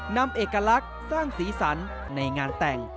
นำเอกลักษณ์สร้างสีสันในงานแต่ง